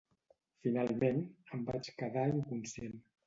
Finalment, em vaig quedar inconscient.